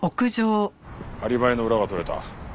アリバイの裏が取れた。